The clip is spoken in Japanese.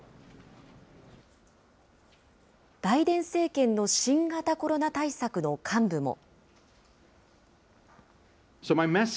バイデン政権の新型コロナ対策の幹部も。